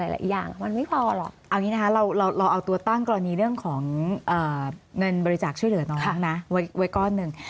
เอาอย่างนี้นะฮะเราเอาตัวตั้งกรณีเรื่องของเงินบริจาคช่วยเหลือน้องนะไว้ก้อนหนึ่ง